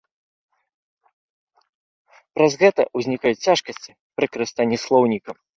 Праз гэта ўзнікаюць цяжкасці пры карыстанні слоўнікам.